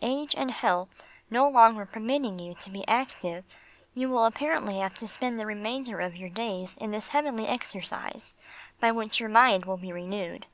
Age and health no longer permitting you to be active, you will apparently have to spend the remainder of your days in this heavenly exercise by which your mind will be renewed.